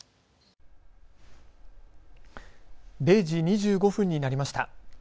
０時２５分になりました。